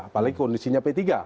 apalagi kondisinya p tiga